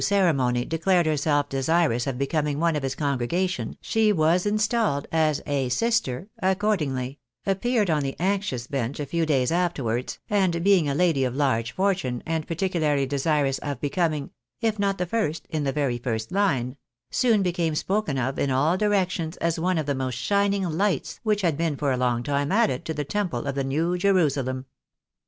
ceremony declared herself desirous of becoming one of his congre gation, she was installed as " a sister" accordingly — appeared on the anxious bench a few days afterwards, and being a lady of large fortune, and particularly desirous of becoming — If not the first, in the very first line — soon became spoken of in all directions as one of the most shining lights which had been for a long time added to the temple of the new Jerusalem.